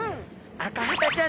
アカハタちゃん？